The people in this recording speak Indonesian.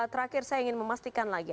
terakhir saya ingin memastikan lagi